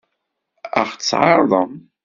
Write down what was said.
Ad ɣ-tt-tɛeṛḍem?